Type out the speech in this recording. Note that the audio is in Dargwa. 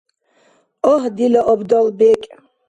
Агь, дила абдал бекӏ!